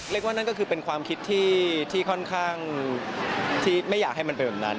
ว่านั่นก็คือเป็นความคิดที่ค่อนข้างที่ไม่อยากให้มันเป็นแบบนั้น